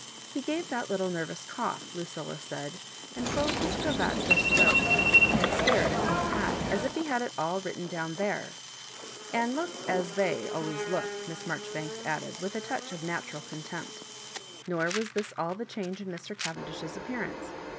" He gave that little nervous cough," Lucilla said, " and pulled his cravat fust so^ and stared into his hat as if he had it all written down there ; and looked as They always look," Miss Marjori banks added, with a touch of natural contempt Nor was this all the change in Mr. Cavendish's appearance.